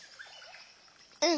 うん。